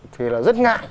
thì là rất ngại